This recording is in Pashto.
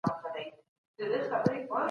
خپل هېواد ته خدمت کول زموږ ملي دنده ده.